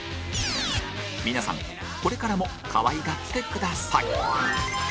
皆さんこれからも可愛がってください